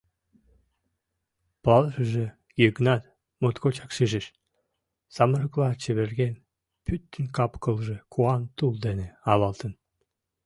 Палышыже, Йыгнат, моткочак шижеш: самырыкла чеверген, пӱтынь кап-кылже куан тул дене авалтын.